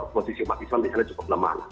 posisi umat islam di sana cukup lemah